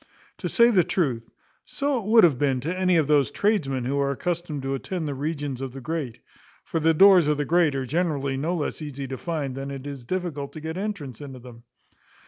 To say the truth, so it would have been to any of those tradesmen who are accustomed to attend the regions of the great; for the doors of the great are generally no less easy to find than it is difficult to get entrance into them.